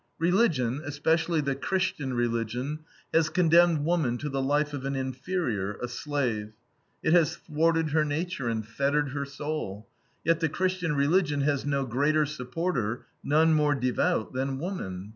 Religion, especially the Christian religion, has condemned woman to the life of an inferior, a slave. It has thwarted her nature and fettered her soul, yet the Christian religion has no greater supporter, none more devout, than woman.